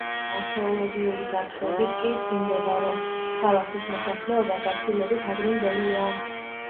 არქეოლოგიური გათხრებით კი დგინდება, რომ ქალაქის მოსახლეობა გაცილებით ადრინდელია.